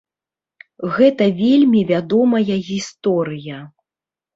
Гэта вельмі вядомая гісторыя.